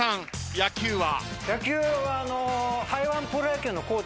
野球は。